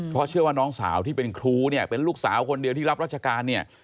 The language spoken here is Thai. เพราะเชื่อว่าน้องสาวที่เป็นครูเนี่ยเป็นลูกสาวคนเดียวที่รับราชการเนี่ย